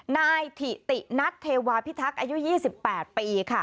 นายถิตินัทเทวาพิทักษ์อายุ๒๘ปีค่ะ